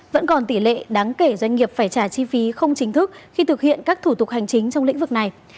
vẫn còn tỷ lệ đáng kể doanh nghiệp phải trả chi phí không chính thức khi thực hiện các thủ tục hành chính trong lĩnh vực này